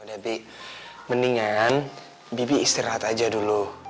loh debbie mendingan bibi istirahat aja dulu